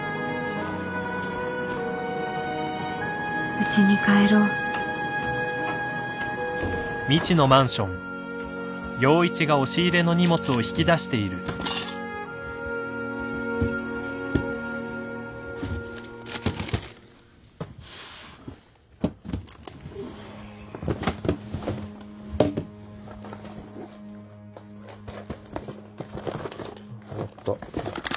うちに帰ろうあった。